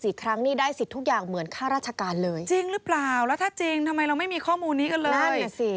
ทำไมเราไม่เห็นรู้เลย